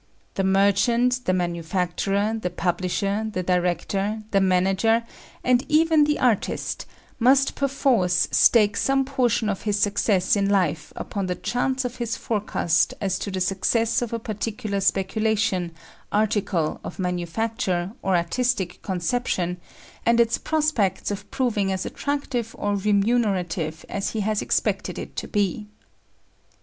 The merchant, the manufacturer, the publisher, the director, the manager, and even the artist, must perforce stake some portion of his success in life upon the chance of his forecast as to the success of a particular speculation, article of manufacture, or artistic conception, and its prospects of proving as attractive or remunerative as he has expected it to be.